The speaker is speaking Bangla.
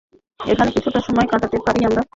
এখানে কিছুটা সময় কাটাতে পারি আমরা?